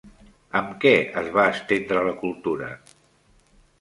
Amb què es va estendre la cultura?